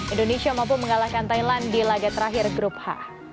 indonesia mampu mengalahkan thailand di laga terakhir grup h